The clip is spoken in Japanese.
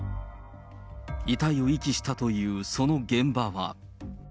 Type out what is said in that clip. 遺体を遺棄したというその現場は。